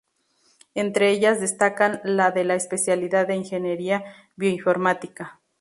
Entre ellas destacan las de la especialidad de Ingeniería Bioinformática.